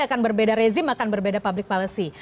akan berbeda rezim akan berbeda public policy